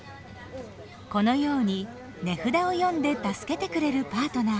このように値札を読んで助けてくれるパートナー。